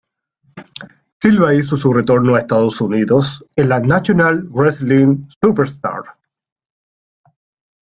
Silva hizo su retorno a Estados Unidos en la National Wrestling Superstars.